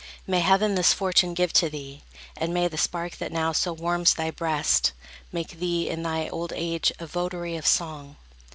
May heaven this fortune give to thee; and may The spark that now so warms thy breast, make thee In thy old age a votary of song!